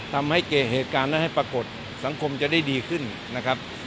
ทำให้เกิดเหตุการณ์และให้ปรากฏสังคมจะได้ดีขึ้นนะครับ